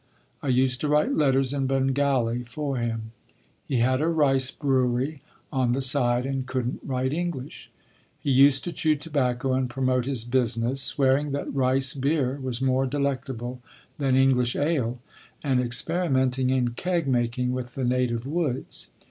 I used to write letters in Bengali for him. He had a rice brewery on the side, and couldn’t write English. He used to chew tobacco and promote his business, swearing that rice beer was more delectable than English ale, and experimenting in keg making with the native woods.